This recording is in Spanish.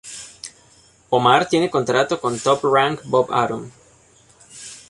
Omar tiene contrato con Top Rank Bob Arum.